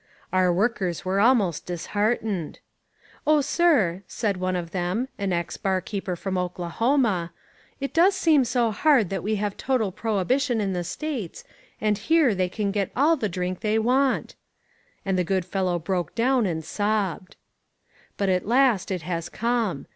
Our workers were almost disheartened. "Oh, sir," said one of them, an ex barkeeper from Oklahoma, "it does seem so hard that we have total prohibition in the States and here they can get all the drink they want." And the good fellow broke down and sobbed. But at last it has come.